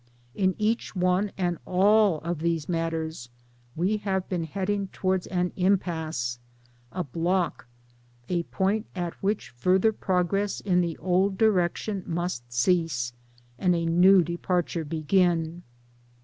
In each one and all of these .matters we have been heading towards an impasse, a block, a point at which further progress in the old direction must cease, and a new departure begin.